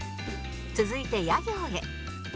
続いてや行へ